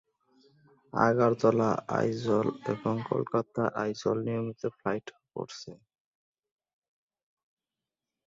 আগরতলা-আইজল এবং কলকাতা-আইজল নিয়মিত ফ্লাইট রয়েছে।